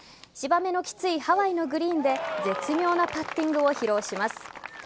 芝目のきついハワイのグリーンで絶妙なパッティングを披露します。